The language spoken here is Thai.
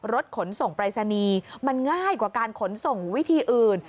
รถขนส่งปรายศนีย์มันง่ายกว่าการขนส่งวิธีอื่น